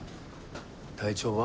体調は？